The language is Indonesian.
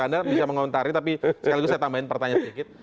anda bisa mengontari tapi sekaligus saya tambahin pertanyaan sedikit